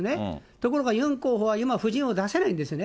ところがユン候補は今、夫人を出せないんですね。